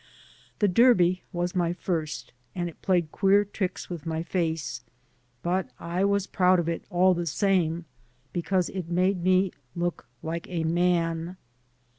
The derby was my first, and it played queer tricks with my face; but I was proud of it, all the same, because it made me look like a man.